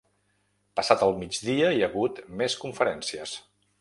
Passat el migdia hi ha hagut més conferències.